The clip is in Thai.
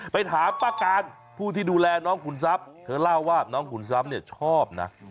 ไปถามป้าการผู้ที่ดูแลน้องขุนทรัพย์เธอเล่าว่าน้องขุนทรัพย์เนี่ยชอบนะ